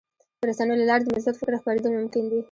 د رسنیو له لارې د مثبت فکر خپرېدل ممکن دي.